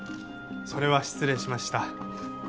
それは失礼しました。